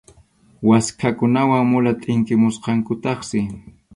Waskhakunawan mula tʼiqimusqankutaqsi.